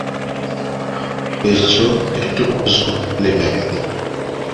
Ekyo kye tuyita okuzza omukono emabega.